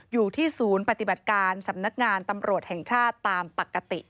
อยู่ที่ศูนย์ปฏิบัติการสำนักงานตำรวจแห่งชาติตามปกติ